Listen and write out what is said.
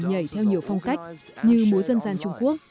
nhảy theo nhiều phong cách như múa dân gian trung quốc